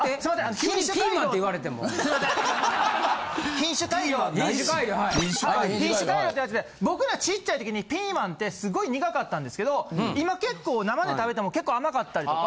品種改良ってやつで僕らちっちゃい時にピーマンってすごい苦かったんですけど今結構生で食べても結構甘かったりとか。